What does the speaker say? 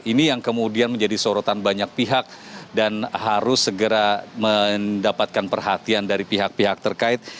ini yang kemudian menjadi sorotan banyak pihak dan harus segera mendapatkan perhatian dari pihak pihak terkait